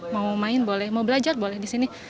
mau main boleh mau belajar boleh disini